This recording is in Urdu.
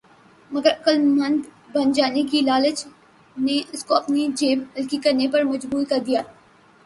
مگر عقل مند بن جانے کی لالچ نے اس کو اپنی جیب ہلکی کرنے پر مجبور کر دیا۔